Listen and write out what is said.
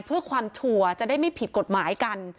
เพื่อความชัวร์จะได้ไม่ผิดกฎหมายกัน